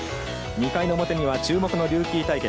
２回の表には注目のルーキー対決。